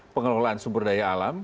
pengelolaan sumber daya alam